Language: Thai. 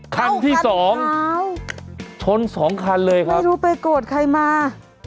คันที่สองชนสองคันเลยครับไม่รู้ไปโกรธใครมา